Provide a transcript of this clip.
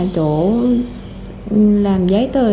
chỗ làm giấy tờ